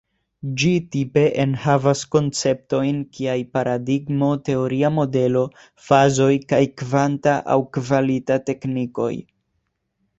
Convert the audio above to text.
Ĝi, tipe, enhavas konceptojn kiaj paradigmo, teoria modelo, fazoj kaj kvanta aŭ kvalita teknikoj.